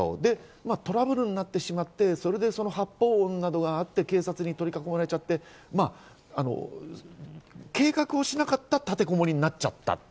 トラブルになってしまって、発砲音などがあって、警察に取り囲まれちゃって計画をしなかった立てこもりになっちゃった。